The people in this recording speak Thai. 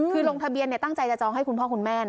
คือลงทะเบียนตั้งใจจะจองให้คุณพ่อคุณแม่นะ